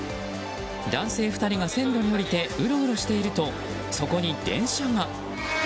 男性２人が線路に下りてウロウロしているとそこに電車が。